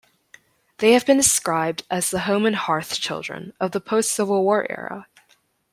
They have been described as the "home-and-hearth children of the post-Civil War era".